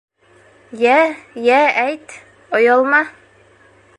Йә, йә, әйт... оялма...